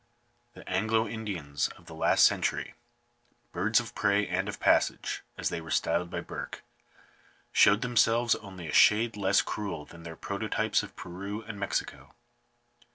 The Anglo Indians of the last century — "birds of prey and of passage," as they were styled by Burke — showed themselves only a shade less cruel than their prototypes of Peru and Mexico.